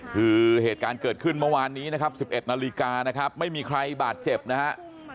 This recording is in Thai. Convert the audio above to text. คือเหตุการณ์เกิดขึ้นเมื่อวานนี้นะครับ๑๑นาฬิกานะครับไม่มีใครบาดเจ็บนะฮะ